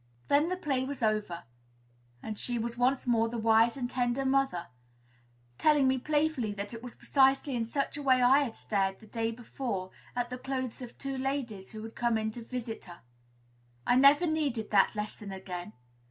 Then the play was over; and she was once more the wise and tender mother, telling me playfully that it was precisely in such a way I had stared, the day before, at the clothes of two ladies who had come in to visit her. I never needed that lesson again.